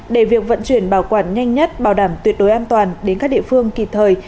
để việc vận chuyển bảo quản nhanh nhất bảo đảm tuyệt đối an toàn đến các địa phương kịp thời